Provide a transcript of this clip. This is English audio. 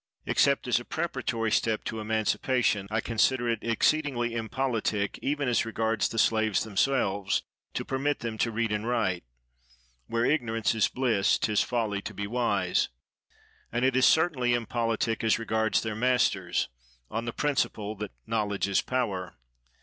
Except as a preparatory step to emancipation, I consider it exceedingly impolitic, even as regards the slaves themselves, to permit them to read and write: "Where ignorance is bliss, 'tis folly to be wise." And it is certainly impolitic as regards their masters, on the principle that "knowledge is power."